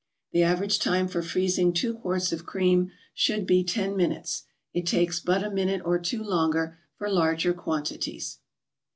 The average time for freezing two quarts of cream should be ten minutes; it takes but a minute or two longer for larger quantities.